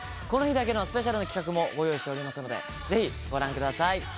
この日だけのスペシャルな企画もご用意しておりますのでぜひご覧ください。